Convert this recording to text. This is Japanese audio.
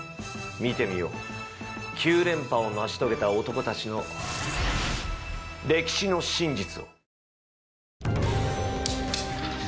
見てみよう９連覇を成し遂げた男たちの歴史の真実を。